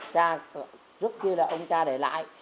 trước kia là ông cha để lại